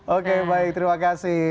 oke baik terima kasih